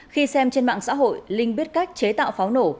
khi xem trên mạng xã hội linh biết cách chế tạo pháo nổ